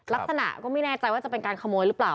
ลักษณะก็ไม่แน่ใจว่าจะเป็นการขโมยหรือเปล่า